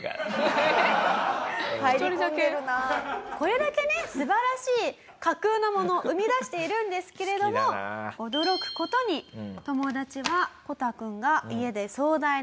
これだけね素晴らしい架空のもの生み出しているんですけれども驚く事になんでよ！